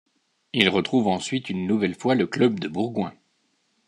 Il retrouve ensuite une nouvelle fois le club de Bourgoin.